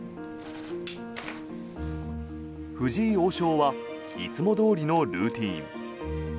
藤井王将はいつもどおりのルーチン。